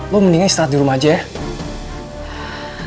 lo mendingan istirahat di rumah aja ya